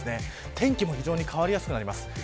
天気も非常に変わりやすくなります。